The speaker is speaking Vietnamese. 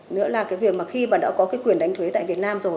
nữa là cái việc mà khi mà đã có cái quyền đánh thuế tại việt nam rồi